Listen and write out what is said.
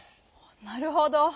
なるほど。